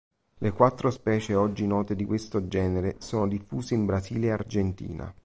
Le quattro specie oggi note di questo genere sono diffuse in Brasile e Argentina.